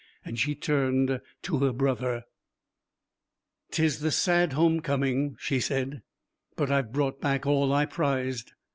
She turned to her brother 'Tis the sad home coming,' she said, 'but I've brought back all I prized.'